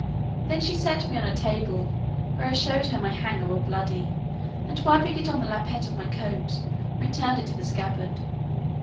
Then she set me on a table, where I showed her my hanger all bloody, and wiping it on the lappet of my coat, returned it to the scabbard.